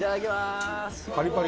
パリパリ。